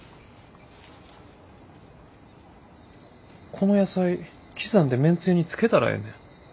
この野菜刻んでめんつゆにつけたらええねん。